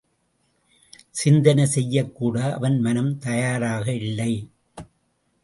சிந்தனை செய்யக்கூட அவன் மனம் தயாராக இல்லை.